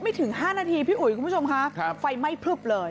ถึง๕นาทีพี่อุ๋ยคุณผู้ชมค่ะไฟไหม้พลึบเลย